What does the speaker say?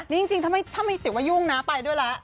นี่จริงถ้ามีติว่ายุ่งนะไปด้วยแล้ว